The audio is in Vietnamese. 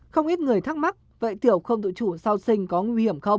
không ít người thắc mắc vậy tiểu không dự trù sau sinh có nguy hiểm không